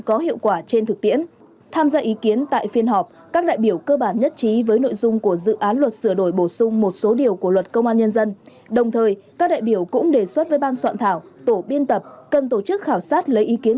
các đại biểu cơ bản nhất trí với nội dung của dự án luật sửa đổi bổ sung một số điều của luật công an nhân dân đồng thời các đại biểu cũng đề xuất với ban soạn thảo tổ biên tập cần tổ chức khảo sát lấy ý kiến rộng rãi trong lực lượng công an nhân dân cũng như của các bộ ngành chuyên gia nhà khoa học nhằm hoàn thiện dự án đúng tiến độ và phù hợp với các quy định của pháp luật có liên quan